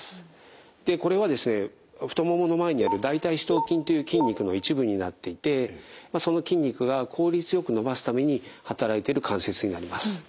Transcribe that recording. でこれはですね太ももの前にある大腿四頭筋という筋肉の一部になっていてその筋肉が効率よく伸ばすために働いている関節になります。